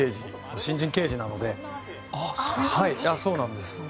新人刑事なのでそうなんです。